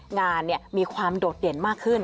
งานมีความโดดเด่นมากขึ้น